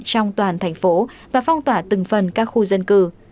trong toàn thành phố và phong tỏa từng phần các khu dân cư